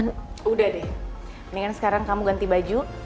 saya ingin sekarang kamu ganti baju